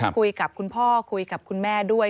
คุยกับคุณพ่อคุยกับคุณแม่ด้วย